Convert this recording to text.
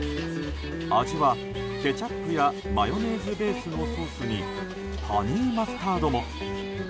味は、ケチャップやマヨネーズベースのソースにハニーマスタードも。